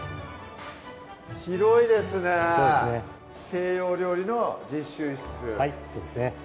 広いですねそうですね西洋料理の実習室はいそうですね